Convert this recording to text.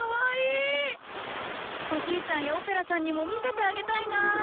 おじいちゃんやオペラさんにも見せてあげたいな。